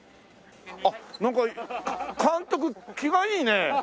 あっなんか監督気がいいね。